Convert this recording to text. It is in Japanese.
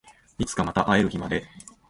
いつかまた会える日まで